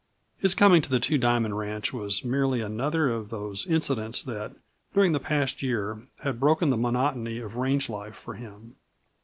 His coming to the Two Diamond ranch was merely another of those incidents that, during the past year, had broken the monotony of range life for him.